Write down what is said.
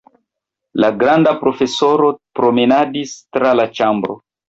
La granda profesoro promenadis tra la ĉambro.